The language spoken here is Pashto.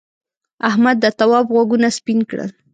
احمد د تواب غوږونه سپین کړل.